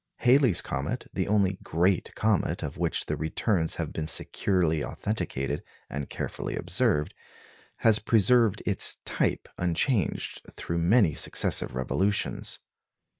Halley's comet, the only great comet of which the returns have been securely authenticated and carefully observed, has preserved its "type" unchanged through many successive revolutions.